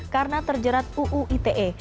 karena terjerat uu ite